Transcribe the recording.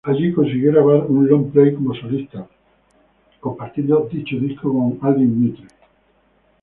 Allí consiguió grabar un long play como solista, compartiendo dicho disco con Aldin Mitre.